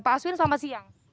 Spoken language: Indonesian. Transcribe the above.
pak aswin selamat siang